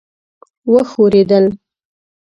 وښورېدل.